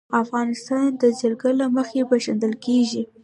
افغانستان د جلګه له مخې پېژندل کېږي.